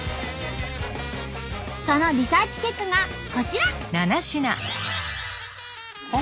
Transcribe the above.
そのリサーチ結果がこちら。